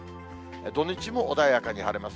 土日も穏やかに晴れます。